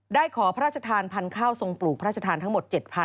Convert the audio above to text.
ขอพระราชทานพันธุ์ข้าวทรงปลูกพระราชทานทั้งหมด๗๐๐